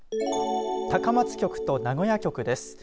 高松局と名古屋局です。